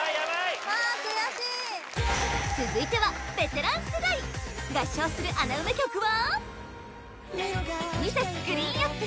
あ悔しい続いてはベテラン世代合唱する穴埋め曲は？